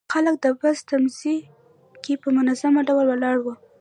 خلک د بس تمځي کې په منظم ډول ولاړ وو.